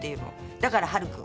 だから「はるくん」。